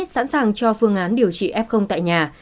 sẵn sàng cho phương án điều trị f tại nhà